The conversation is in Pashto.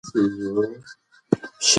ګور په خج کې دروند او اوږد دی.